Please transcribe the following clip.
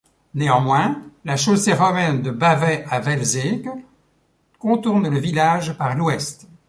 Néanmoins, la chaussée romaine de Bavay à Velzeke contourne le village par l’ouest.